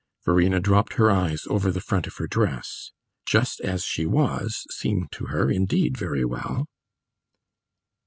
Verena dropped her eyes over the front of her dress. "Just as she was" seemed to her indeed very well.